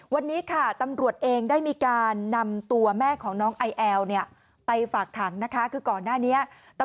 วันนี้ค่ะตำรวจเองได้มีการนำตัวแม่ของน้องไอแอวเนี่ย